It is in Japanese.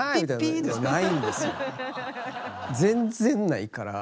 全然ないから。